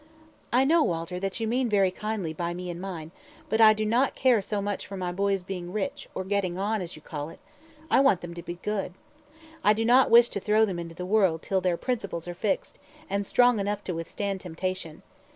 "I know, Walter, that you mean very kindly by me and mine, but I do not care so much for my boys being rich, or getting on, as you call it; I want them to be good. I do not wish to throw them into the world till their principles are fixed, and strong enough to withstand temptation.